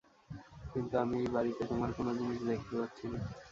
কিন্তু আমি এই বাড়িতে তোমার কোন জিনিস দেখতে পাচ্ছি না।